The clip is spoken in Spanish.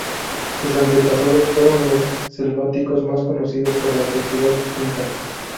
Sus antepasados fueron los selváticos más conocidos por la sociedad Inca.